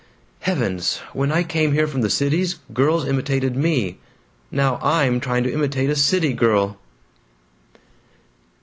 Heavens! When I came here from the Cities, girls imitated me. Now I'm trying to imitate a city girl."